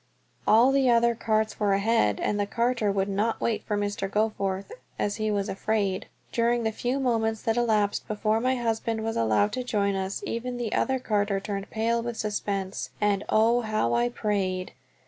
All the other carts were ahead, and the carter would not wait for Mr. Goforth, as he was afraid. During the few moments that elapsed before my husband was allowed to join us even the carter turned pale with suspense, and oh, how I prayed!